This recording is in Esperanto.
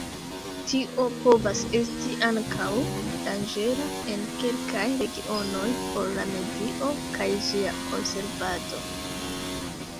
Tio povas esti ankaŭ danĝera en kelkaj regionoj por la medio kaj ĝia konservado.